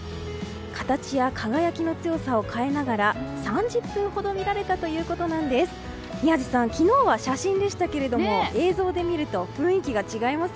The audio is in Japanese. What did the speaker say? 形や輝きの強さを変えながら３０分ほど見られたということなんです。